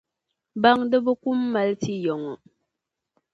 Baŋdiba kum mali ti yaŋɔ.